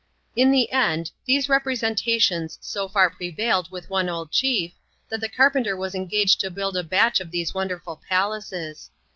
In the end, these representations so far prevailed with one old chief, that the carpenter was eaigaged to build a batdi of these wonderful palaces.